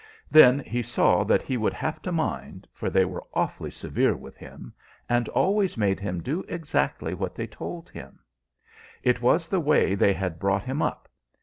Then he saw that he would have to mind, for they were awfully severe with him, and always made him do exactly what they told him; it was the way they had brought him up.